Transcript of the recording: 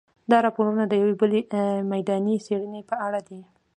دا راپور د یوې بلې میداني څېړنې په اړه دی.